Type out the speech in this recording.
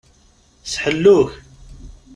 S ḥellu-k.